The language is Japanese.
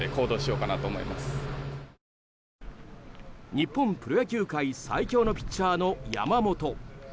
日本プロ野球界最強のピッチャーの山本。